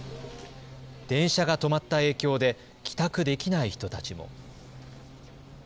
電車が止まった影響で帰宅できない人たちも。